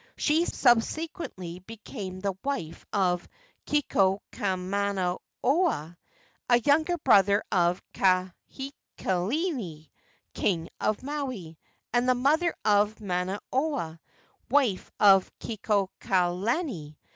She subsequently became the wife of Kekuamanoha, a younger brother of Kahekili, king of Maui, and the mother of Manono, wife of Kekuaokalani.